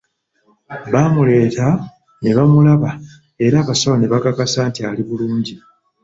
Baamuleeta ne bamulaba era abasawo ne babakakasa nti ali bulungi.